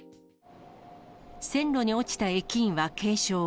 線路に落ちた駅員は軽傷。